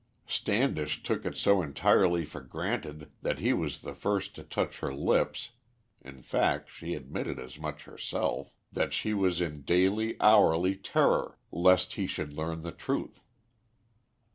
Standish took it so entirely for granted that he was the first to touch her lips (in fact she admitted as much herself) that she was in daily, hourly terror lest he should learn the truth.